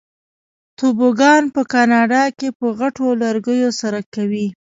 توبوګان په کاناډا کې په غټو لرګیو سره کوي.